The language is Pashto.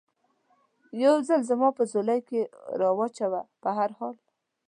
یو ځل زما په ځولۍ کې را و چوه، په هر حال.